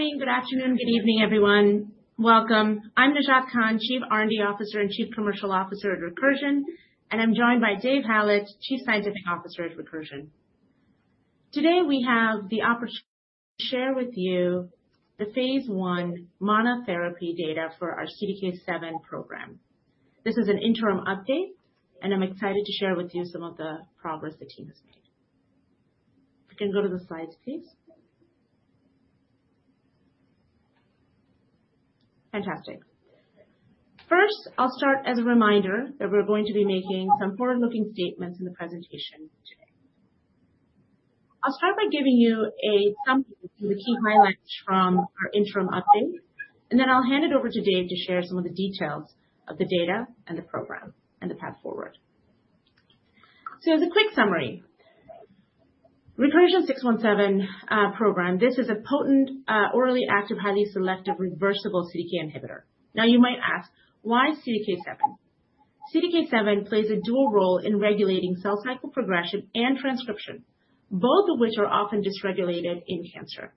Morning, good afternoon, good evening, everyone. Welcome. I'm Najat Khan, Chief R&D Officer and Chief Commercial Officer at Recursion, and I'm joined by Dave Hallett, Chief Scientific Officer at Recursion. Today we have the opportunity to share with you the phase 1 monotherapy data for our CDK7 program. This is an interim update, and I'm excited to share with you some of the progress the team has made. If we can go to the slides, please. Fantastic. First, I'll start as a reminder that we're going to be making some forward-looking statements in the presentation today. I'll start by giving you a summary of the key highlights from our interim update, and then I'll hand it over to Dave to share some of the details of the data and the program and the path forward. As a quick summary, REC-617 program, this is a potent, orally active, highly selective, reversible CDK inhibitor. Now, you might ask, why CDK7? CDK7 plays a dual role in regulating cell cycle progression and transcription, both of which are often dysregulated in cancer.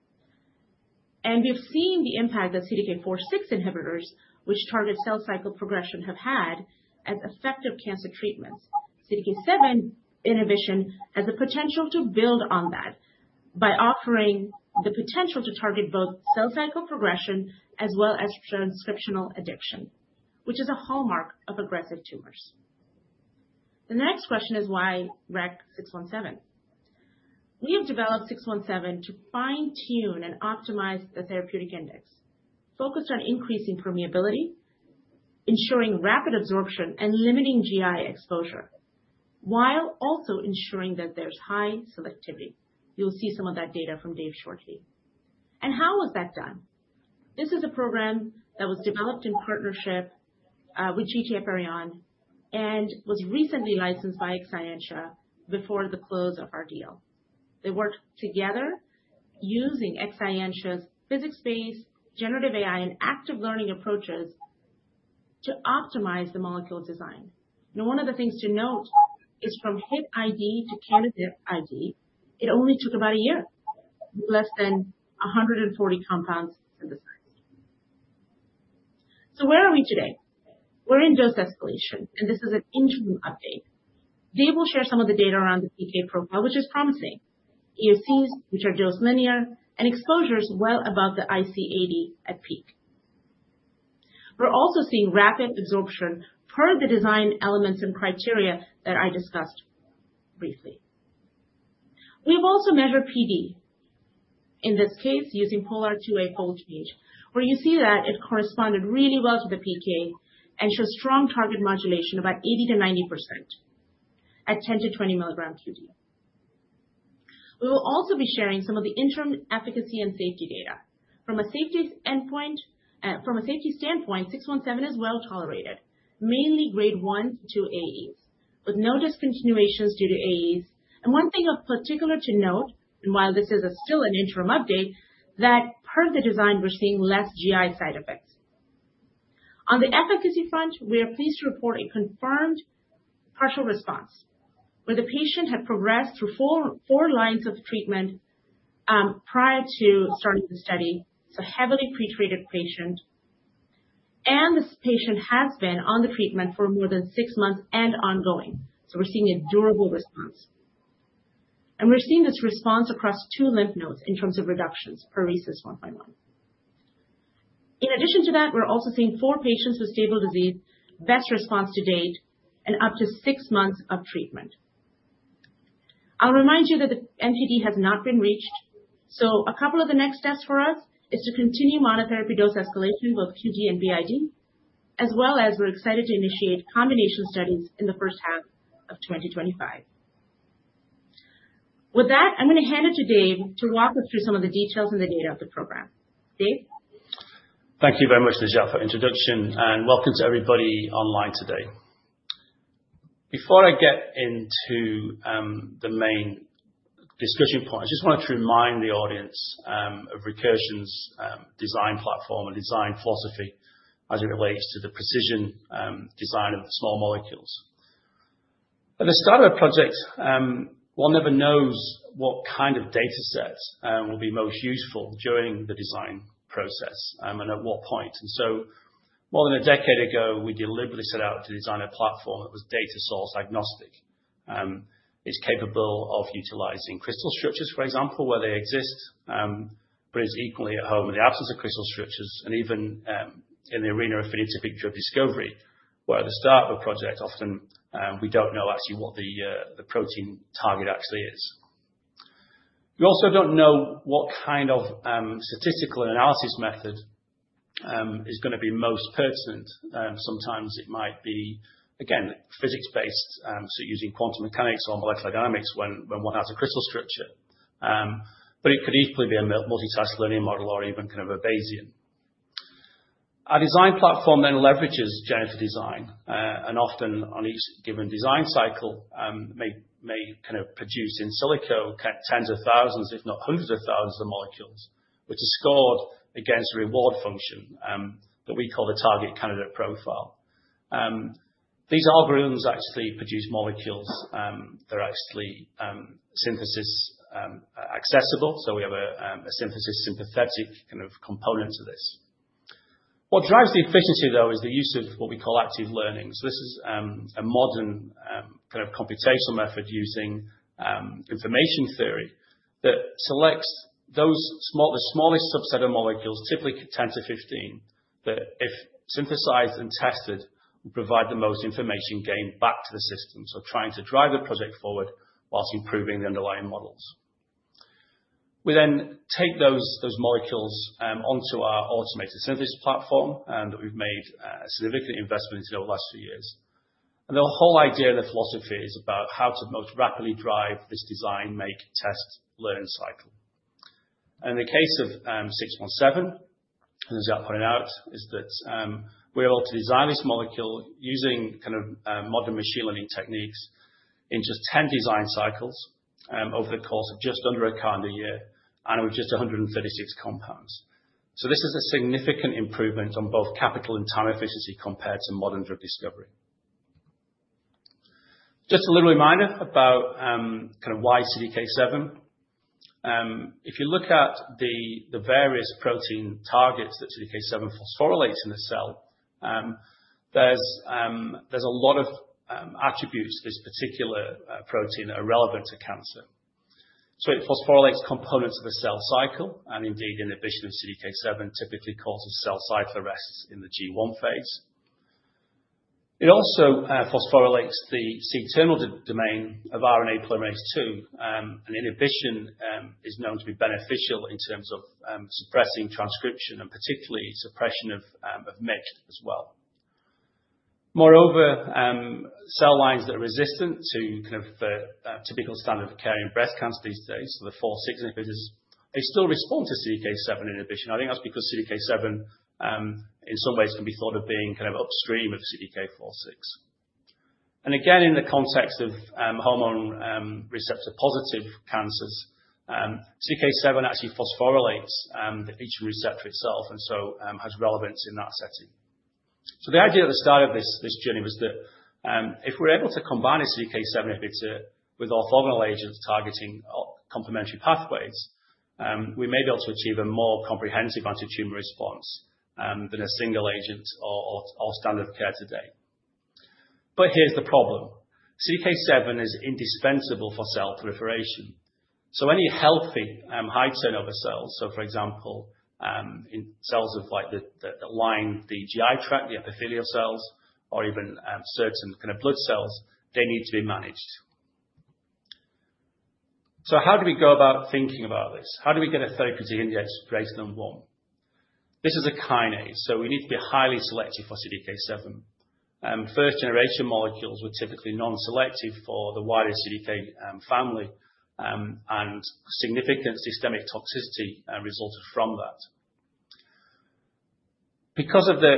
We've seen the impact that CDK4/6 inhibitors, which target cell cycle progression, have had as effective cancer treatments. CDK7 inhibition has the potential to build on that by offering the potential to target both cell cycle progression as well as transcriptional addiction, which is a hallmark of aggressive tumors. The next question is, why REC-617? We have developed 617 to fine-tune and optimize the therapeutic index, focused on increasing permeability, ensuring rapid absorption, and limiting GI exposure, while also ensuring that there's high selectivity. You'll see some of that data from Dave shortly. How was that done? This is a program that was developed in partnership with GT Apeiron and was recently licensed by Exscientia before the close of our deal. They worked together using Exscientia's physics-based, generative AI, and active learning approaches to optimize the molecule design. Now, one of the things to note is from hit ID to candidate ID, it only took about a year, less than 140 compounds synthesized. So, where are we today? We're in dose escalation, and this is an interim update. Dave will share some of the data around the PK profile, which is promising, AUCs, which are dose linear, and exposures well above the IC80 at peak. We're also seeing rapid absorption per the design elements and criteria that I discussed briefly. We've also measured PD, in this case, using POLR2A fold change, where you see that it corresponded really well to the PK and shows strong target modulation, about 80%-90%, at 10-20 milligrams QD. We will also be sharing some of the interim efficacy and safety data. From a safety standpoint, 617 is well tolerated, mainly grade 1-2 AEs, with no discontinuations due to AEs. And one thing of particular note, and while this is still an interim update, that per the design, we're seeing less GI side effects. On the efficacy front, we are pleased to report a confirmed partial response, where the patient had progressed through four lines of treatment prior to starting the study, so a heavily pretreated patient. And this patient has been on the treatment for more than six months and ongoing. So, we're seeing a durable response. We're seeing this response across two lymph nodes in terms of reductions per RECIST 1.1. In addition to that, we're also seeing four patients with stable disease, best response to date, and up to six months of treatment. I'll remind you that the MTD has not been reached. A couple of the next steps for us is to continue monotherapy dose escalation, both QD and BID, as well as we're excited to initiate combination studies in the first half of 2025. With that, I'm going to hand it to Dave to walk us through some of the details and the data of the program. Dave? Thank you very much, Najat, for the introduction, and welcome to everybody online today. Before I get into the main discussion point, I just wanted to remind the audience of Recursion's design platform and design philosophy as it relates to the precision design of small molecules. At the start of a project, one never knows what kind of data set will be most useful during the design process and at what point. And so, more than a decade ago, we deliberately set out to design a platform that was data-source agnostic. It's capable of utilizing crystal structures, for example, where they exist, but it's equally at home in the absence of crystal structures and even in the arena of phenotypic drug discovery, where at the start of a project, often we don't know actually what the protein target actually is. We also don't know what kind of statistical analysis method is going to be most pertinent. Sometimes it might be, again, physics-based, so using quantum mechanics or molecular dynamics when one has a crystal structure. But it could equally be a multitask learning model or even kind of a Bayesian. Our design platform then leverages genetic design, and often on each given design cycle, may kind of produce in silico tens of thousands, if not hundreds of thousands of molecules, which are scored against reward function that we call the target candidate profile. These algorithms actually produce molecules that are actually synthesis-accessible, so we have a synthesis-sympathetic kind of component to this. What drives the efficiency, though, is the use of what we call active learning. So, this is a modern kind of computational method using information theory that selects the smallest subset of molecules, typically 10 to 15, that if synthesized and tested, will provide the most information gain back to the system. So, trying to drive the project forward whilst improving the underlying models. We then take those molecules onto our automated synthesis platform that we've made a significant investment into over the last few years. And the whole idea and the philosophy is about how to most rapidly drive this design, make, test, learn cycle. And in the case of 617, as I pointed out, is that we were able to design this molecule using kind of modern machine learning techniques in just 10 design cycles over the course of just under a calendar year and with just 136 compounds. So, this is a significant improvement on both capital and time efficiency compared to modern drug discovery. Just a little reminder about kind of why CDK7. If you look at the various protein targets that CDK7 phosphorylates in the cell, there's a lot of attributes to this particular protein that are relevant to cancer. So, it phosphorylates components of the cell cycle, and indeed, inhibition of CDK7 typically causes cell cycle arrests in the G1 phase. It also phosphorylates the C-terminal domain of RNA polymerase II, and inhibition is known to be beneficial in terms of suppressing transcription and particularly suppression of MYC as well. Moreover, cell lines that are resistant to kind of the typical standard-of-care in breast cancer these days, so the CDK4/6 inhibitors, they still respond to CDK7 inhibition. I think that's because CDK7, in some ways, can be thought of being kind of upstream of CDK4/6. Again, in the context of hormone receptor-positive cancers, CDK7 actually phosphorylates the Estrogen Receptor itself and so has relevance in that setting. The idea at the start of this journey was that if we're able to combine a CDK7 inhibitor with orthogonal agents targeting complementary pathways, we may be able to achieve a more comprehensive anti-tumor response than a single agent or standard-of-care today. Here's the problem. CDK7 is indispensable for cell proliferation. Any healthy high turnover cells, so for example, cells that line the GI tract, the epithelial cells, or even certain kind of blood cells, they need to be managed. How do we go about thinking about this? How do we get a therapeutic index greater than one? This is a kinase, so we need to be highly selective for CDK7. First-generation molecules were typically non-selective for the wider CDK family, and significant systemic toxicity resulted from that. Because of the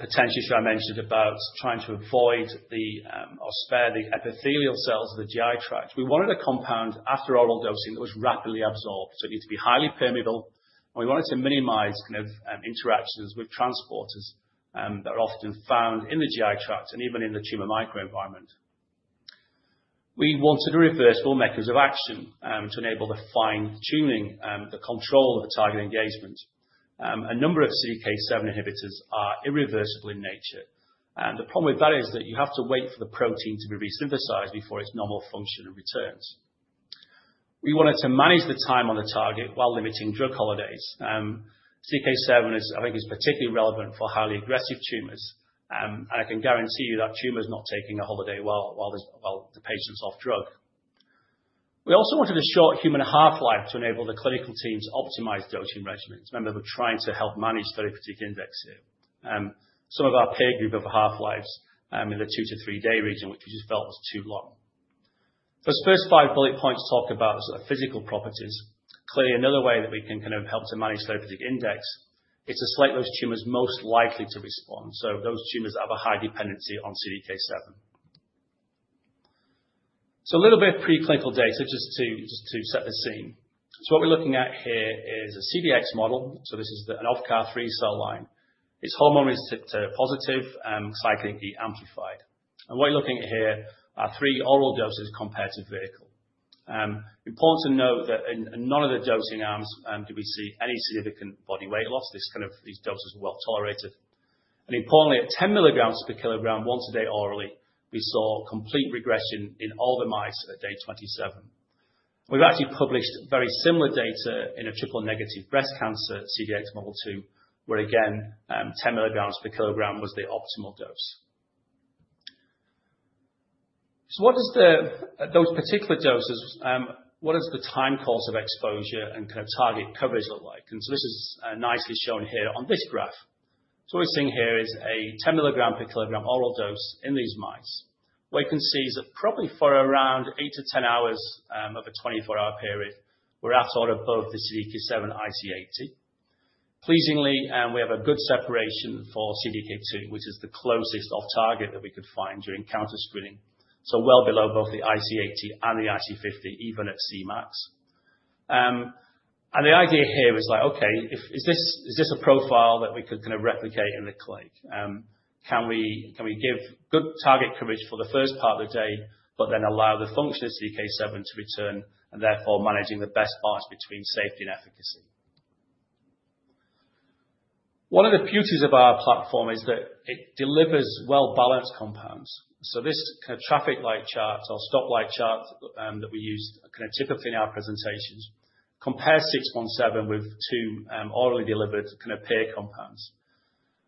potential issue I mentioned about trying to avoid or spare the epithelial cells of the GI tract, we wanted a compound after oral dosing that was rapidly absorbed. So, it needed to be highly permeable, and we wanted to minimize kind of interactions with transporters that are often found in the GI tract and even in the tumor microenvironment. We wanted a reversible mechanism of action to enable the fine-tuning, the control of the target engagement. A number of CDK7 inhibitors are irreversible in nature. The problem with that is that you have to wait for the protein to be resynthesized before its normal function returns. We wanted to manage the time on the target while limiting drug holidays. CDK7, I think, is particularly relevant for highly aggressive tumors, and I can guarantee you that tumor is not taking a holiday while the patient's off drug. We also wanted a short human half-life to enable the clinical team to optimize dosing regimens. Remember, we're trying to help manage therapeutic index here. Some of our peer group have half-lives in the two-to-three-day region, which we just felt was too long. Those first five bullet points talk about sort of physical properties. Clearly, another way that we can kind of help to manage therapeutic index is to select those tumors most likely to respond, so those tumors that have a high dependency on CDK7. A little bit of preclinical data just to set the scene. What we're looking at here is a CDX model. This is an OVCAR-3 cell line. It's hormone-resistant ER-positive, Cyclin E-amplified. What you're looking at here are three oral doses compared to vehicle. Important to note that in none of the dosing arms did we see any significant body weight loss. These doses were well tolerated. Importantly, at 10 milligrams per kilogram, once a day orally, we saw complete regression in all the mice at day 27. We've actually published very similar data in a triple-negative breast cancer CDX model, too, where again, 10 milligrams per kilogram was the optimal dose. What does the time course of exposure and kind of target coverage look like? This is nicely shown here on this graph. What we're seeing here is a 10 milligram per kilogram oral dose in these mice. What you can see is that probably for around eight to 10 hours of a 24-hour period, we're at or above the CDK7 IC80. Pleasingly, we have a good separation for CDK2, which is the closest off-target that we could find during counter-screening, so well below both the IC80 and the IC50, even at Cmax. The idea here is like, okay, is this a profile that we could kind of replicate in the clinic? Can we give good target coverage for the first part of the day, but then allow the function of CDK7 to return, and therefore managing the best balance between safety and efficacy? One of the beauties of our platform is that it delivers well-balanced compounds. This kind of traffic light chart or stoplight chart that we use kind of typically in our presentations compares 617 with two orally delivered kind of peer compounds.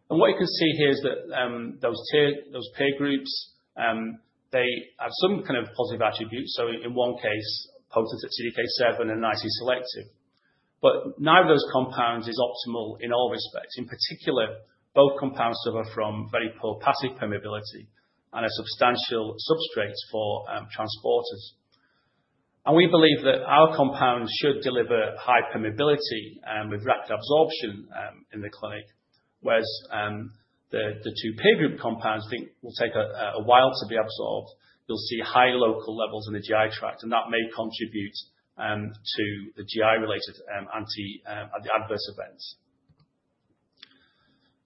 What you can see here is that those peer groups, they have some kind of positive attributes. In one case, potent at CDK7 and nicely selective. Neither of those compounds is optimal in all respects. In particular, both compounds suffer from very poor passive permeability and are substantial substrates for transporters. We believe that our compounds should deliver high permeability with rapid absorption in the clinic, whereas the two peer group compounds will take a while to be absorbed. You'll see high local levels in the GI tract, and that may contribute to the GI-related adverse events.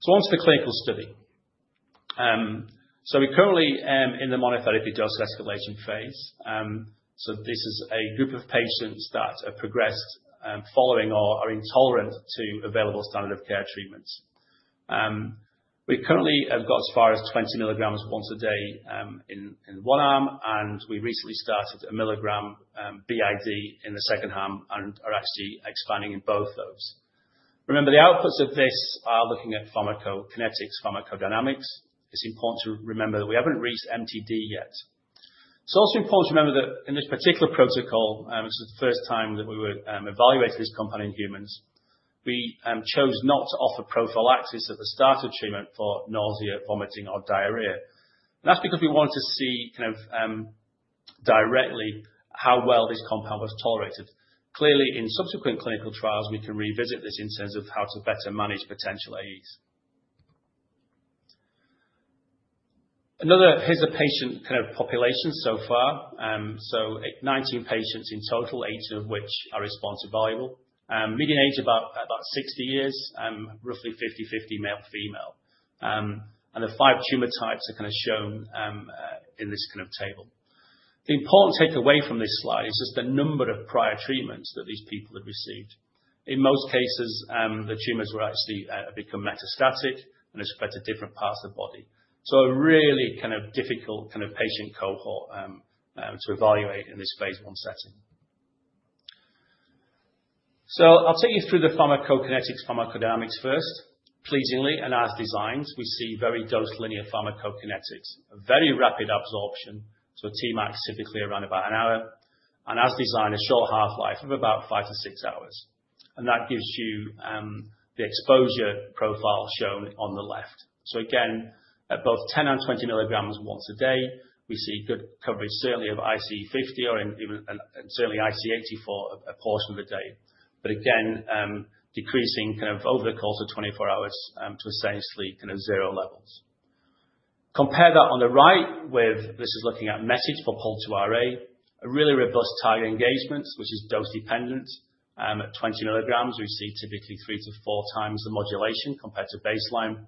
Onto the clinical study. We're currently in the monotherapy dose escalation phase. This is a group of patients that have progressed following or are intolerant to available standard-of-care treatments. We currently have got as far as 20 milligrams once a day in one arm, and we recently started a milligram BID in the second arm and are actually expanding in both those. Remember, the outputs of this are looking at pharmacokinetics, pharmacodynamics. It's important to remember that we haven't reached MTD yet. It's also important to remember that in this particular protocol, this was the first time that we were evaluating this compound in humans. We chose not to offer prophylaxis at the start of treatment for nausea, vomiting, or diarrhea. And that's because we wanted to see kind of directly how well this compound was tolerated. Clearly, in subsequent clinical trials, we can revisit this in terms of how to better manage potential AEs. Here's the patient kind of population so far. So, 19 patients in total, 18 of which are response-evaluable. Median age about 60 years, roughly 50-50 male-female. And the five tumor types are kind of shown in this kind of table. The important takeaway from this slide is just the number of prior treatments that these people have received. In most cases, the tumors were actually become metastatic and spread to different parts of the body. So, a really kind of difficult kind of patient cohort to evaluate in this phase one setting. So, I'll take you through the pharmacokinetics, pharmacodynamics first. Pleasingly, and as designed, we see very dose-linear pharmacokinetics, very rapid absorption, so Tmax typically around about an hour, and as designed, a short half-life of about five to six hours. And that gives you the exposure profile shown on the left. So, again, at both 10 and 20 milligrams once a day, we see good coverage, certainly of IC50 or even certainly IC80 for a portion of the day. But again, decreasing kind of over the course of 24 hours to essentially kind of zero levels. Compare that on the right with this is looking at measurement for POLR2A, a really robust target engagement, which is dose-dependent. At 20 milligrams, we see typically three to four times the modulation compared to baseline.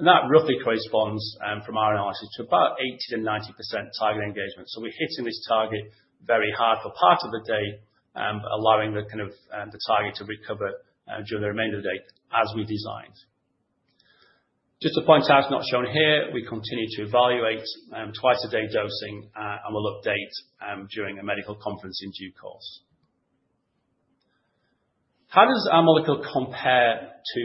And that roughly corresponds from our analysis to about 80%-90% target engagement. So, we're hitting this target very hard for part of the day, allowing the kind of target to recover during the remainder of the day as we designed. Just to point out, not shown here, we continue to evaluate twice-a-day dosing, and we'll update during a medical conference in due course. How does our molecule compare to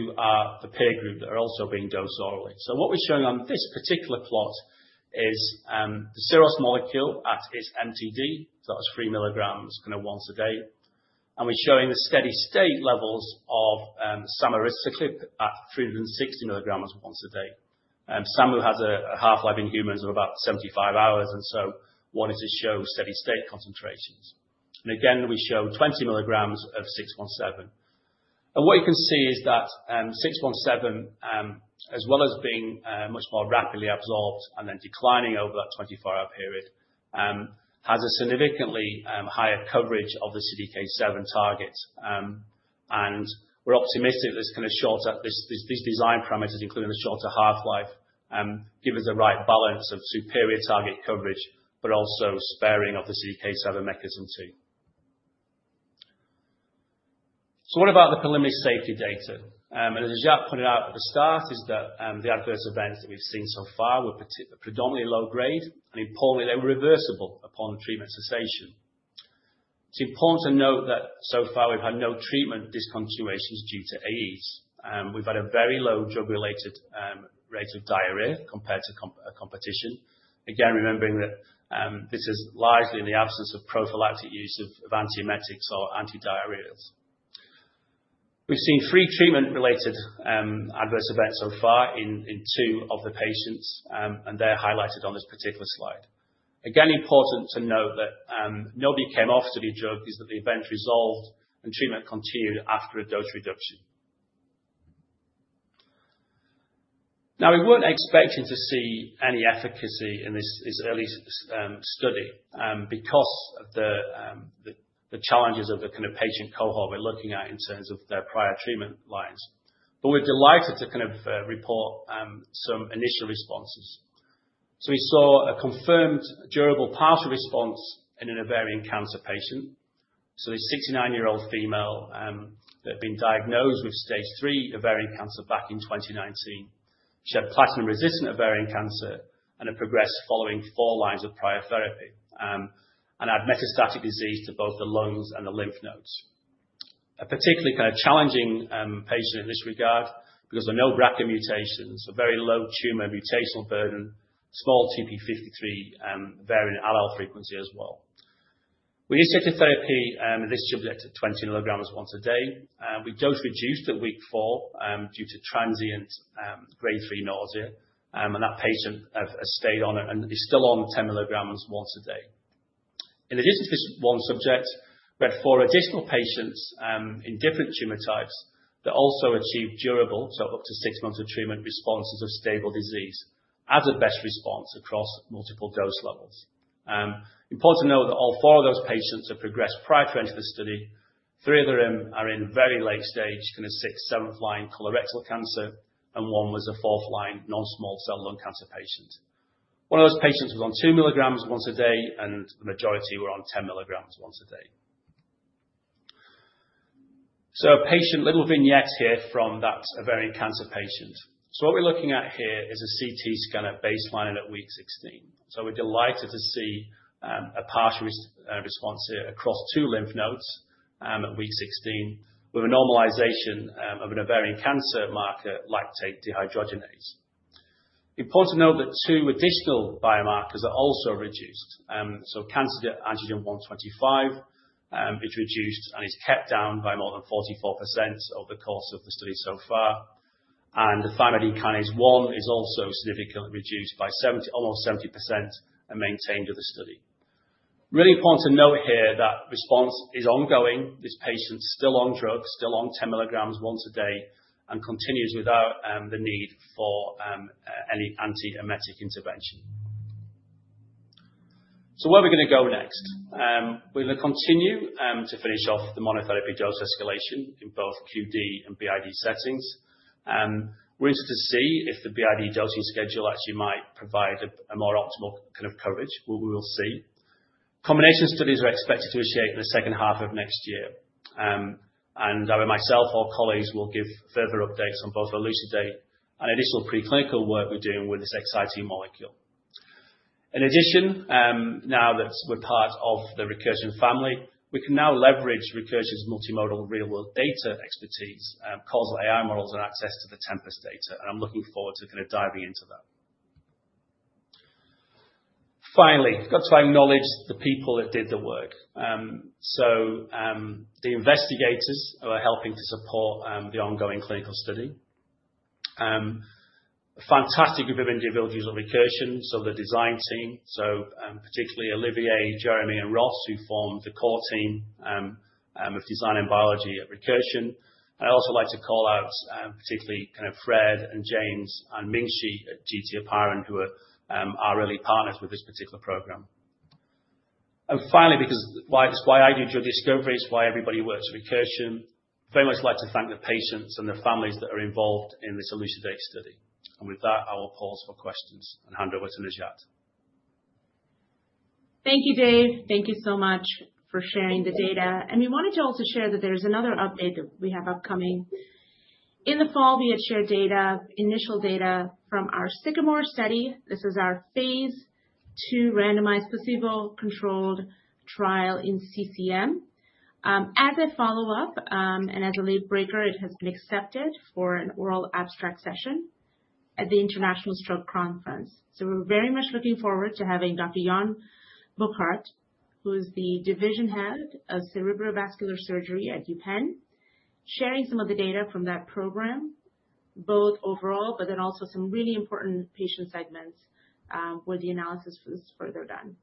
the peer group that are also being dosed orally? So, what we're showing on this particular plot is the Syros molecule at its MTD, so that's three milligrams kind of once a day. And we're showing the steady-state levels of Samuraciclib at 360 milligrams once a day. Sama has a half-life in humans of about 75 hours, and so wanted to show steady-state concentrations. And again, we show 20 milligrams of 617. And what you can see is that 617, as well as being much more rapidly absorbed and then declining over that 24-hour period, has a significantly higher coverage of the CDK7 target. And we're optimistic that this kind of shorter design parameters, including the shorter half-life, give us the right balance of superior target coverage, but also sparing of the CDK7 mechanism too. So, what about the preliminary safety data? As I just pointed out at the start, is that the adverse events that we've seen so far were predominantly low-grade, and importantly, they were reversible upon treatment cessation. It's important to note that so far we've had no treatment discontinuations due to AEs. We've had a very low drug-related rate of diarrhea compared to competition. Again, remembering that this is largely in the absence of prophylactic use of antiemetics or antidiarrheals. We've seen three treatment-related adverse events so far in two of the patients, and they're highlighted on this particular slide. Again, important to note that nobody came off the drug, is that the event resolved and treatment continued after a dose reduction. Now, we weren't expecting to see any efficacy in this early study because of the challenges of the kind of patient cohort we're looking at in terms of their prior treatment lines. But we're delighted to kind of report some initial responses. So, we saw a confirmed durable partial response in an ovarian cancer patient. So, this 69-year-old female that had been diagnosed with stage three ovarian cancer back in 2019. She had platinum-resistant ovarian cancer and had progressed following four lines of prior therapy and had metastatic disease to both the lungs and the lymph nodes. A particularly kind of challenging patient in this regard because of no BRCA mutations, a very low tumor mutational burden, small TP53 variant allele frequency as well. We initiated therapy in this subject at 20 milligrams once a day. We dose-reduced at week four due to transient grade three nausea, and that patient has stayed on and is still on 10 milligrams once a day. In addition to this one subject, we had four additional patients in different tumor types that also achieved durable, so up to six months of treatment responses of stable disease as a best response across multiple dose levels. Important to note that all four of those patients have progressed prior to entering the study. Three of them are in very late stage, kind of sixth, seventh line colorectal cancer, and one was a fourth line non-small cell lung cancer patient. One of those patients was on two milligrams once a day, and the majority were on 10 milligrams once a day. So, a patient little vignette here from that ovarian cancer patient. So, what we're looking at here is a CT scanner baseline at week 16. We're delighted to see a partial response here across two lymph nodes at week 16, with a normalization of an ovarian cancer marker, lactate dehydrogenase. Important to note that two additional biomarkers are also reduced. Cancer antigen 125 is reduced and is kept down by more than 44% over the course of the study so far. The thymidine kinase 1 is also significantly reduced by almost 70% and maintained with the study. Really important to note here that response is ongoing. This patient's still on drugs, still on 10 milligrams once a day, and continues without the need for any antiemetic intervention. Where are we going to go next? We're going to continue to finish off the monotherapy dose escalation in both QD and BID settings. We're interested to see if the BID dosing schedule actually might provide a more optimal kind of coverage. We will see. Combination studies are expected to initiate in the second half of next year. And I myself, all colleagues, will give further updates on both our ELUCIDATE and additional preclinical work we're doing with this exciting molecule. In addition, now that we're part of the Recursion family, we can now leverage Recursion's multimodal real-world data expertise, causal AI models, and access to the Tempus data. And I'm looking forward to kind of diving into that. Finally, I've got to acknowledge the people that did the work. So, the investigators who are helping to support the ongoing clinical study. A fantastic group of individuals of Recursion, so the design team, so particularly Olivier, Jeremy, and Ross, who form the core team of design and biology at Recursion. And I'd also like to call out particularly kind of Fred and James and Mingxi at GT Apeiron, who are our early partners with this particular program. And finally, because why I do drug discoveries, why everybody works with Recursion, I'd very much like to thank the patients and the families that are involved in this ELUCIDATE study. And with that, I will pause for questions and hand over to Najat. Thank you, Dave. Thank you so much for sharing the data. And we wanted to also share that there's another update that we have upcoming. In the fall, we had shared data, initial data from our Sycamore study. This is our phase two randomized placebo-controlled trial in CCM. As a follow-up and as a late breaker, it has been accepted for an oral abstract session at the International Stroke Conference. So, we're very much looking forward to having Dr. Jan-Karl Burkhardt, who is the division head of cerebrovascular surgery at UPenn, sharing some of the data from that program, both overall, but then also some really important patient segments where the analysis was further done.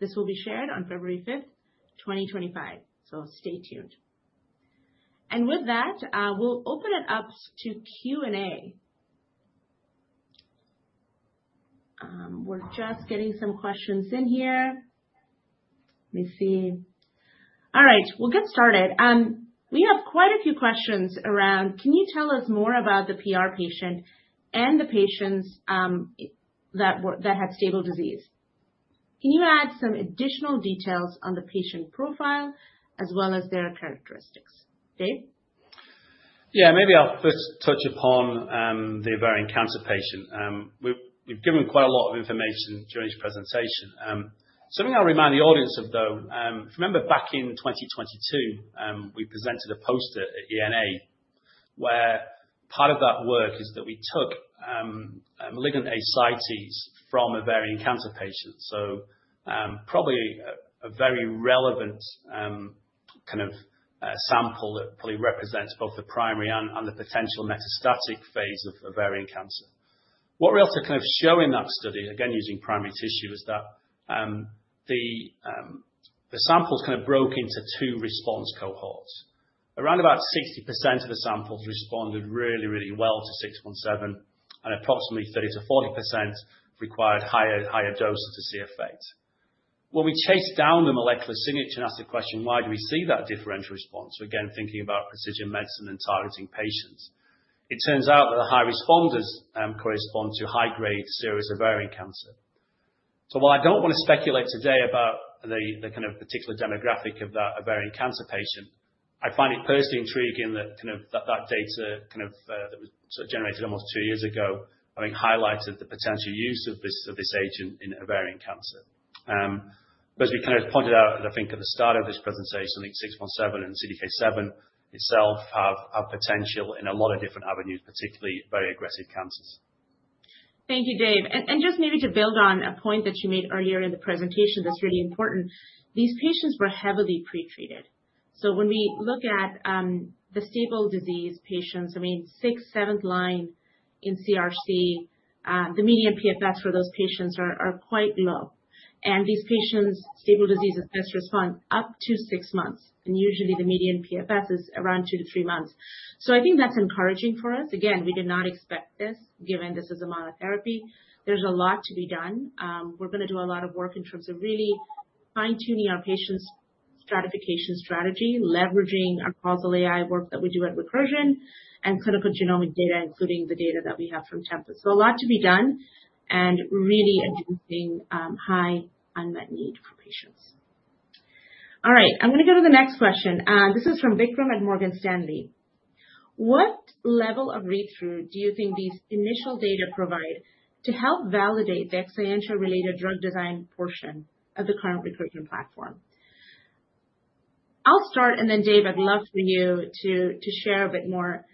This will be shared on February 5th, 2025. So, stay tuned. And with that, we'll open it up to Q&A. We're just getting some questions in here. Let me see. All right, we'll get started. We have quite a few questions around, can you tell us more about the PR patient and the patients that had stable disease? Can you add some additional details on the patient profile as well as their characteristics? Dave? Yeah, maybe I'll first touch upon the ovarian cancer patient. We've given quite a lot of information during this presentation. Something I'll remind the audience of, though, if you remember back in 2022, we presented a poster at ENA where part of that work is that we took malignant ascites from ovarian cancer patients. So, probably a very relevant kind of sample that probably represents both the primary and the potential metastatic phase of ovarian cancer. What we also kind of show in that study, again, using primary tissue, is that the samples kind of broke into two response cohorts. Around about 60% of the samples responded really, really well to 617, and approximately 30%-40% required higher doses to see effect. When we chased down the molecular signature and asked the question, why do we see that differential response? Again, thinking about precision medicine and targeting patients, it turns out that the high responders correspond to high-grade serous ovarian cancer. While I don't want to speculate today about the kind of particular demographic of that ovarian cancer patient, I find it personally intriguing that kind of that data kind of that was sort of generated almost two years ago, I think, highlighted the potential use of this agent in ovarian cancer. As we kind of pointed out, I think at the start of this presentation, I think 617 and CDK7 itself have potential in a lot of different avenues, particularly very aggressive cancers. Thank you, Dave. Just maybe to build on a point that you made earlier in the presentation that's really important, these patients were heavily pretreated. When we look at the stable disease patients, I mean, sixth, seventh line in CRC, the median PFS for those patients are quite low. These patients, stable disease is best respond up to six months. And usually, the median PFS is around two to three months. So, I think that's encouraging for us. Again, we did not expect this, given this is a monotherapy. There's a lot to be done. We're going to do a lot of work in terms of really fine-tuning our patients' stratification strategy, leveraging our causal AI work that we do at Recursion, and clinical genomic data, including the data that we have from Tempus. So, a lot to be done and really addressing high unmet need for patients. All right, I'm going to go to the next question. This is from Vikram at Morgan Stanley. What level of read-through do you think these initial data provide to help validate the Exscientia-related drug design portion of the current Recursion platform? I'll start, and then, Dave, I'd love for you to share a bit more.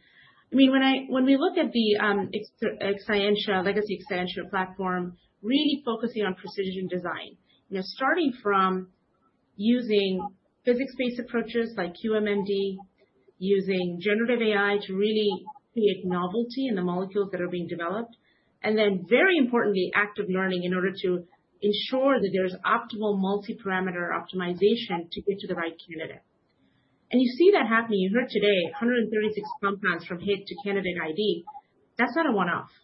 I mean, when we look at the Exscientia legacy Exscientia platform, really focusing on precision design, starting from using physics-based approaches like QM/MD, using generative AI to really create novelty in the molecules that are being developed, and then, very importantly, active learning in order to ensure that there's optimal multi-parameter optimization to get to the right candidate, and you see that happening. You heard today, 136 compounds from hit to candidate ID. That's not a one-off.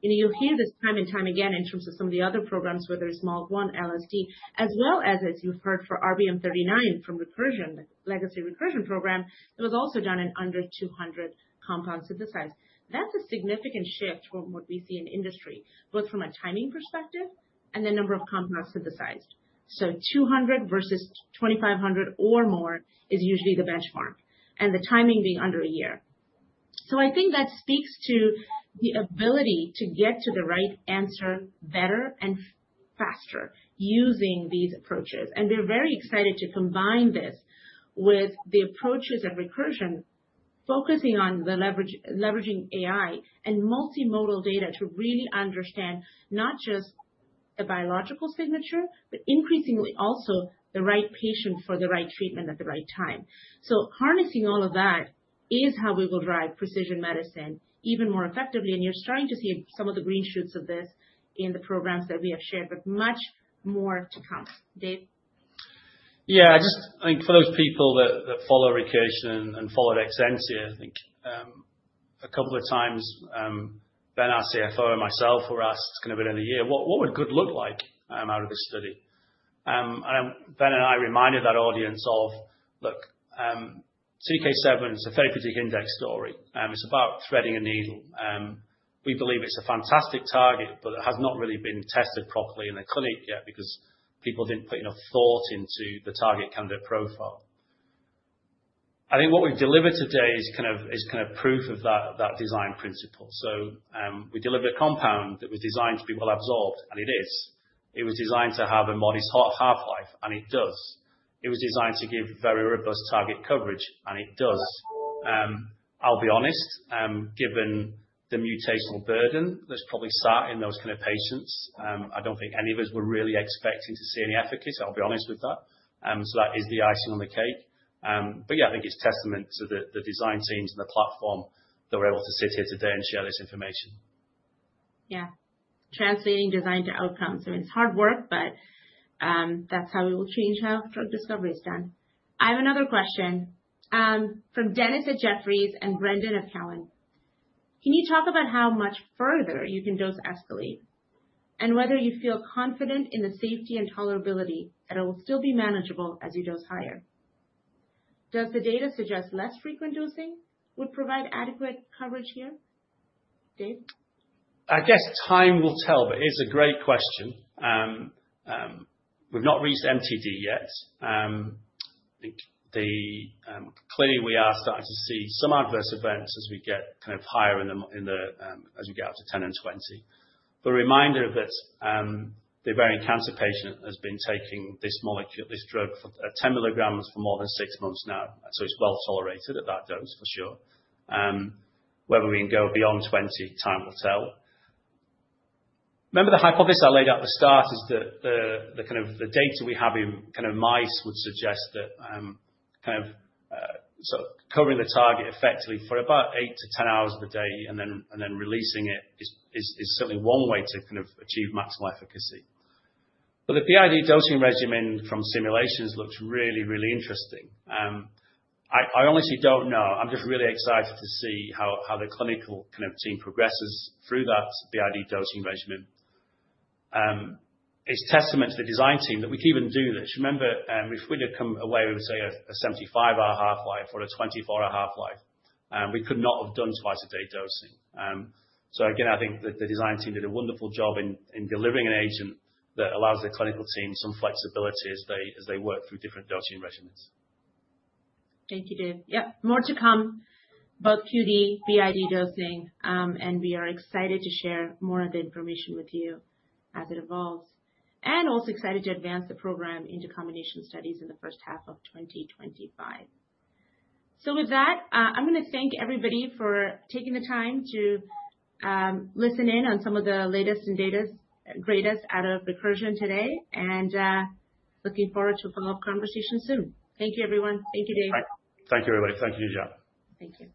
You'll hear this time and time again in terms of some of the other programs, whether it's MALT1, LSD, as well as, as you've heard, for RBM39 from Recursion, the legacy Recursion program, it was also done in under 200 compounds synthesized. That's a significant shift from what we see in industry, both from a timing perspective and the number of compounds synthesized. So, 200 versus 2,500 or more is usually the benchmark, and the timing being under a year. So, I think that speaks to the ability to get to the right answer better and faster using these approaches. And we're very excited to combine this with the approaches at Recursion, focusing on the leveraging AI and multimodal data to really understand not just the biological signature, but increasingly also the right patient for the right treatment at the right time. So, harnessing all of that is how we will drive precision medicine even more effectively. And you're starting to see some of the green shoots of this in the programs that we have shared, but much more to come. Dave? Yeah, I just think for those people that follow Recursion and follow Exscientia, I think a couple of times, Ben, our CFO, and myself were asked kind of at the end of the year, what would good look like out of this study? And Ben and I reminded that audience of, look, CDK7 is a therapeutic index story. It's about threading a needle. We believe it's a fantastic target, but it has not really been tested properly in the clinic yet because people didn't put enough thought into the target candidate profile. I think what we've delivered today is kind of proof of that design principle. So, we delivered a compound that was designed to be well absorbed, and it is. It was designed to have a modest half-life, and it does. It was designed to give very robust target coverage, and it does. I'll be honest, given the mutational burden that's probably sat in those kind of patients, I don't think any of us were really expecting to see any efficacy. I'll be honest with that. So, that is the icing on the cake. But yeah, I think it's a testament to the design teams and the platform that we're able to sit here today and share this information. Yeah, translating design to outcomes. I mean, it's hard work, but that's how we will change how drug discovery is done. I have another question from Dennis at Jefferies and Brendan at Cowen. Can you talk about how much further you can dose escalate and whether you feel confident in the safety and tolerability that it will still be manageable as you dose higher? Does the data suggest less frequent dosing would provide adequate coverage here? Dave? I guess time will tell, but it is a great question. We've not reached MTD yet. I think clearly we are starting to see some adverse events as we get kind of higher in the, as we get up to 10 and 20. But a reminder that the ovarian cancer patient has been taking this molecule, this drug, 10 milligrams for more than six months now. So, it's well tolerated at that dose, for sure. Whether we can go beyond 20, time will tell. Remember the hypothesis I laid out at the start is that the kind of data we have in kind of mice would suggest that kind of covering the target effectively for about eight to 10 hours of the day and then releasing it is certainly one way to kind of achieve maximal efficacy. But the BID dosing regimen from simulations looks really, really interesting. I honestly don't know. I'm just really excited to see how the clinical kind of team progresses through that BID dosing regimen. It's a testament to the design team that we can even do this. Remember, if we did come away, we would say a 75-hour half-life or a 24-hour half-life. We could not have done twice a day dosing. So, again, I think that the design team did a wonderful job in delivering an agent that allows the clinical team some flexibility as they work through different dosing regimens. Thank you, Dave. Yep, more to come, both QD, BID dosing, and we are excited to share more of the information with you as it evolves, and also excited to advance the program into combination studies in the first half of 2025. With that, I'm going to thank everybody for taking the time to listen in on some of the latest and greatest out of Recursion today. Looking forward to a follow-up conversation soon. Thank you, everyone. Thank you, Dave. Thank you, everybody. Thank you, Najat. Thank you.